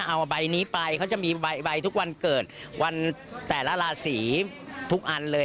เอาใบนี้ไปเขาจะมีใบทุกวันเกิดวันแต่ละราศีทุกอันเลย